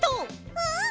うん！